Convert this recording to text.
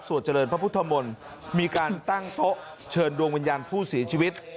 เจริญพระพุทธมนต์มีการตั้งโต๊ะเชิญดวงวิญญาณผู้เสียชีวิต